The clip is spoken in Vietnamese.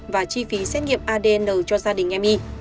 và chi phí xét nghiệm adn cho gia đình em y